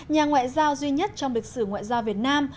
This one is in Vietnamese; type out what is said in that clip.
nhà ngoại giao duy nhất trong lịch sử ngoại giao việt nam